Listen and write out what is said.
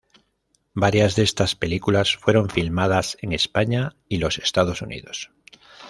Varias de estas películas fueron filmadas en España y los Estados Unidos.